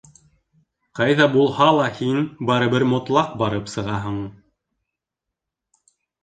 —Ҡайҙа булһа ла һин барыбер мотлаҡ барып сығаһың, —